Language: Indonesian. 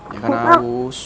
ya kan harus